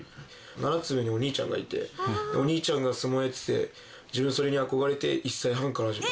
７つ上にお兄ちゃんがいてお兄ちゃんが相撲やってて自分それに憧れて１歳半から始めました。